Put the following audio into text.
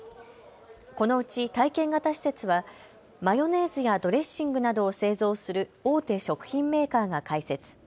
このうち体験型施設はマヨネーズやドレッシングなどを製造する大手食品メーカーが開設。